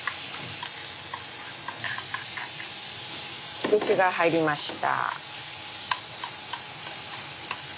つくしが入りました。